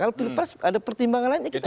ada pertimbangan lainnya kita ikut